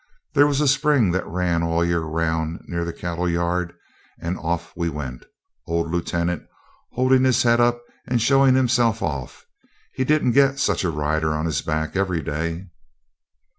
There was a spring that ran all the year round near the cattle yard; and off went we, old Lieutenant holding up his head and showing himself off. He didn't get such a rider on his back every day.